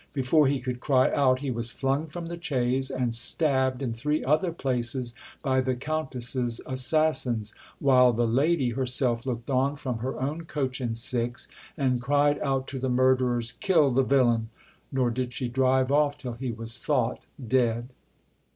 Before he could cry out he was flung from the chaise, and stabbed in three other places by the Countess's assassins, while the lady herself looked on from her own coach and six, and cried out to the murderers, 'Kill the villain!' Nor did she drive off till he was thought dead."